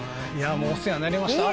お世話になりました。